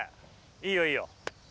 いいよいいよ。